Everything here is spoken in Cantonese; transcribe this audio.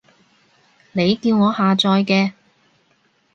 你叫我下載嘅